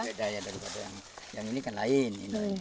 beda ya daripada yang ini kan lain